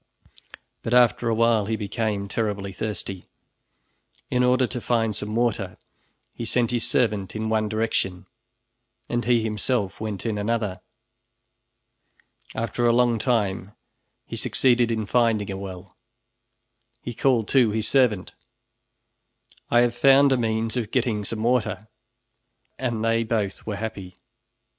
But after a while he became terribly thirsty. In order to find some water he sent his servant in one direction and he himself went in another. After a long time he succeeded in finding a well. He called to his servant, "I have found a means of getting some water," and they both were happy.